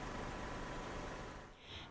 tiếp tục cập nhật thông tin